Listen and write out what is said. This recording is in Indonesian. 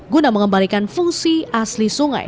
guna mengembalikan fungsi asli sungai